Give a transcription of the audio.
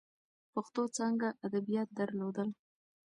پښتو څانګه ادبیات درلودل.